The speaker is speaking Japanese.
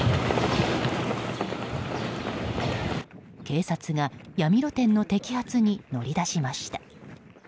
警察が闇露店の摘発に乗り出しました。